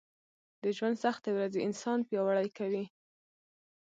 د ژونــد سختې ورځې انـسان پـیاوړی کوي